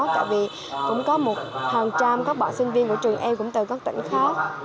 tại vì cũng có một hàng trăm các bọn sinh viên của trường em cũng từ các tỉnh khóc